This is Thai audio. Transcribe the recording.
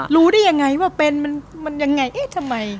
รู้ได้ยังไงว่าเป็นมันยังไงเอ๊ะทำไม